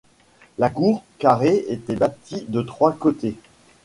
La cour, carrée, était bâtie de trois côtés.